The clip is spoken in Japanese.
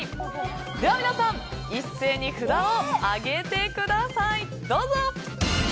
では皆さん一斉に札を上げてください。